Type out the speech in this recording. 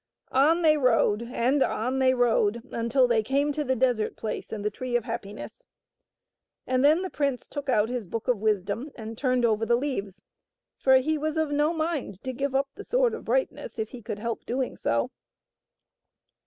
On they rode and on they rode until they came to the desert place and the Tree of Happiness. And then the prince took out his Book of Wisdom and turned over the leaves, for he was of no mind to give up the Sword of Brightness if he could help doing so.